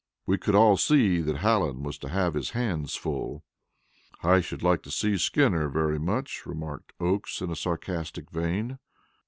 We could all see that Hallen was to have his hands full. "I should like to see Skinner very much," remarked Oakes in a sarcastic vein.